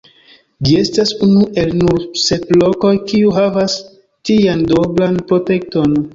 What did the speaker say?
Ĝi estas unu el nur sep lokoj, kiuj havas tian duoblan protekton.